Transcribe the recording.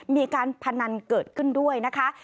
พนันเกิดขึ้นด้วยนะคะ